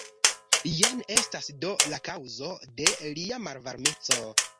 Jen estas do la kaŭzo de lia malvarmeco.